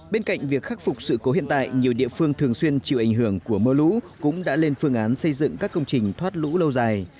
bên cạnh việc khắc phục sự cố hiện tại nhiều địa phương thường xuyên chịu ảnh hưởng của mưa lũ cũng đã lên phương án xây dựng các công trình thoát lũ lâu dài